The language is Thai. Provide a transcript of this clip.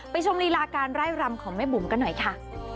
ชมรีลาการไล่รำของแม่บุ๋มกันหน่อยค่ะ